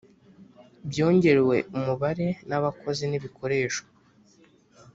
byongerewe umubare n abakozi n ibikoresho